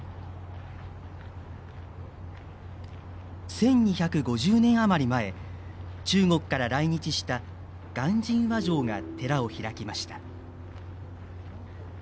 １２５０年あまり前中国から来日した鑑真和上が寺を開きました。